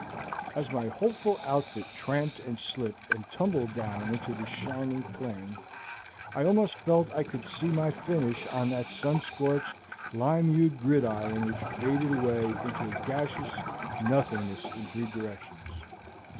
As my hopeful outfit tramped and slipped and tumbled down to the shining plain, I almost felt I could see my finish on that sun scorched lime hued gridiron which faded away into a gaseous nothingness in three directions.